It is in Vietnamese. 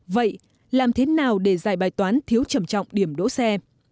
vậy làm thế nào để giải bài toán thiếu trầm trọng điểm đỗ xe